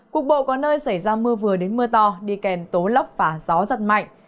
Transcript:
cuộc bộ có nơi xảy ra mưa vừa đến mưa to đi kèm tố lốc và gió rất mạnh